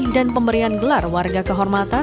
dan pemberian gelar warga kehormatan